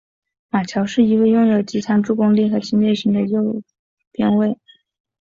马乔是一位拥有极强助攻力和侵略性的右边卫。